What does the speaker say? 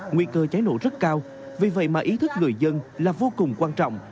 nguy cơ cháy nổ rất cao vì vậy mà ý thức người dân là vô cùng quan trọng